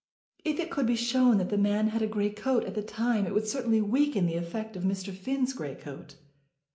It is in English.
"If it could be shown that the man had a grey coat at that time it would certainly weaken the effect of Mr. Finn's grey coat."